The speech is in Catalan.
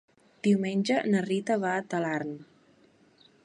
Diumenge na Rita va a Talarn.